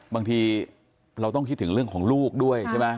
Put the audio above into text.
บางทีเราต้องคิดถึงเรื่องของลูกด้วยใช่ไหม